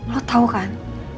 lo tau kan